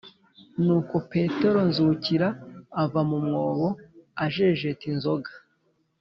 nuko petero nzukira ava mu mwobo ajejeta inzoga.